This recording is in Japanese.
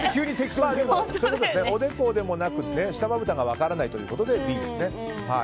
おでこでもなくて下まぶたが分からないということでＢですね。